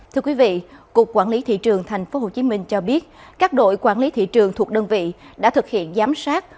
thưa quý vị cục quản lý thị trường tp hcm cho biết các đội quản lý thị trường thuộc đơn vị đã thực hiện giám sát